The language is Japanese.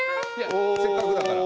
せっかくだから。